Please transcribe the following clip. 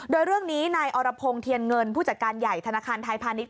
โดยเรื่องนี้นายอรพงศ์เทียนเงินผู้จัดการใหญ่ธนาคารไทยพาณิชย